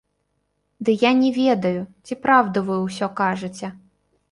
Ды я не ведаю, ці праўду вы ўсё кажаце.